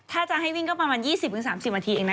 ถ้าจะให้วิ่งก็ประมาณ๒๐๓๐นาทีเองนะ